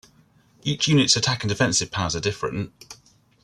Each unit's attack and defensive powers are different.